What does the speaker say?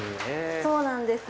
そうなんです。